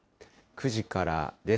９時からです。